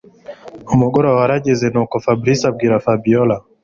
Umugoroba warageze nuko fabrice abwira Fabiora